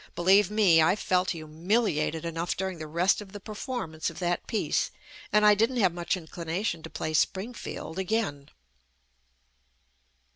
Believe me, I felt humiliated enough during the rest of the performance of that piece, and I didn't have much inclination to play Springfield again.